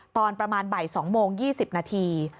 ตอนประมาณ๒โมง๒๐นาที